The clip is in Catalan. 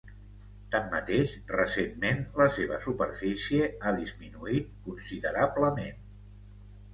Tanmateix recentment la seva superfície ha disminuït considerablement.